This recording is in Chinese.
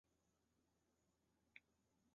中文版由青文出版社代理。